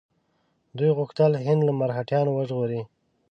دوی غوښتل هند له مرهټیانو وژغوري.